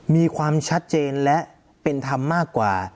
มีความชัดเจนและเป็นธรรมมากกว่า